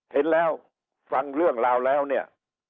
เห็นแล้วฟังเรื่องราวแล้วเนี่ย